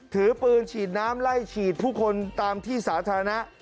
ถือปืนฉีดน้ำไล่ฉีดผู้คนตามที่สาธารณะ